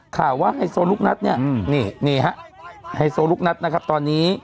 ข่าวว่าไฮโซลูกนัดเนี่ยนี่ฮะไฮโซลูกนัดนะครับตอนนี้